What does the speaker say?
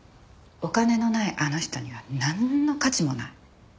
お金のないあの人にはなんの価値もない。